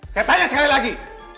saya tanya sekali lagi